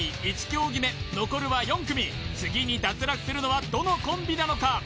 １競技目残るは４組次に脱落するのはどのコンビなのか？